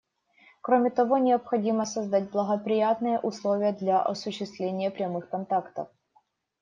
Кроме того, необходимо создать благоприятные условия для осуществления прямых контактов.